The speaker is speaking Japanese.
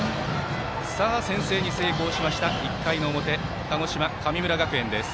先制に成功した、１回の表鹿児島、神村学園です。